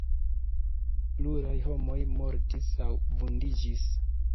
Pluraj homoj mortis aŭ vundiĝis.